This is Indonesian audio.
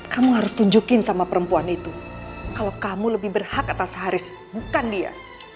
kamu harus tunjukin sama perempuan itu kalau kamu lebih berhak atas haris bukan dia